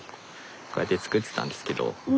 こうやって作ってたんですけど。